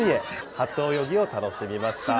初泳ぎを楽しみました。